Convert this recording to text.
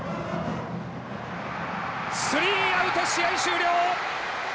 スリーアウト試合終了！